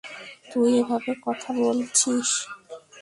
তুই এভাবে কথা বলছিস?